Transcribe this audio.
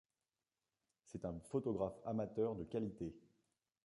C'est un photographe amateur de qualité.